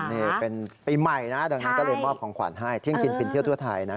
นี่เป็นปีใหม่นะดังนั้นก็เลยมอบของขวัญให้เที่ยงกินฟินเที่ยวทั่วไทยนะ